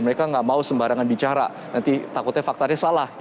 mereka nggak mau sembarangan bicara nanti takutnya faktanya salah